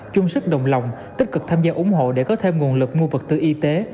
chung sức đồng lòng tích cực tham gia ủng hộ để có thêm nguồn lực mua vật tư y tế